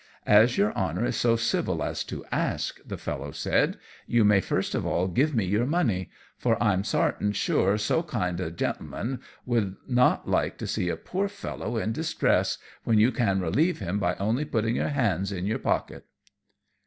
"As your Honour is so civil as to ask," the fellow said, "you may first of all give me your money, for I'm sartain sure so kind a gintleman would not like to see a poor fellow in distress, when you can relieve him by only putting your hand in your pocket."